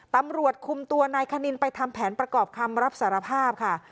ตำรวจคุมตัวนายคณินไปทำแผนประกอบคำรับสารภาพค่ะ